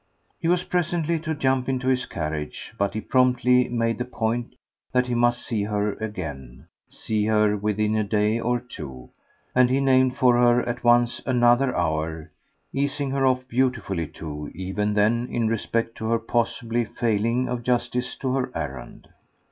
He was presently to jump into his carriage, but he promptly made the point that he must see her again, see her within a day or two; and he named for her at once another hour easing her off beautifully too even then in respect to her possibly failing of justice to her errand.